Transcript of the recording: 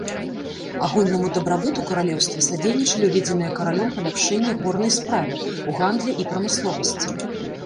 Агульнаму дабрабыту каралеўства садзейнічалі ўведзеныя каралём паляпшэння ў горнай справе, у гандлі і прамысловасці.